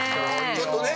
ちょっとね